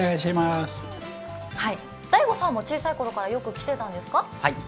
大吾さんも小さいころからよく来てたんですか？